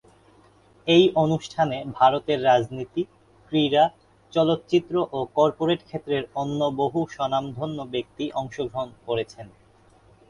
এই অনুষ্ঠানে ভারতের রাজনীতি, ক্রীড়া, চলচ্চিত্র ও কর্পোরেট ক্ষেত্রের অন্য বহু স্বনামধন্য ব্যক্তি অংশগ্রহণ করেছেন।